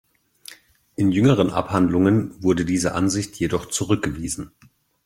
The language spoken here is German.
In jüngeren Abhandlungen wurde diese Ansicht jedoch zurückgewiesen.